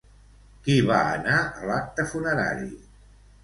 Qui va anar a l'acte funerari?